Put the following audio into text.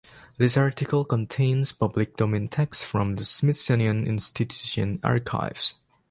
This article contains public domain text from the Smithsonian Institution Archives.